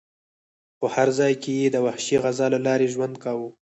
خو هر ځای کې یې د وحشي غذا له لارې ژوند کاوه.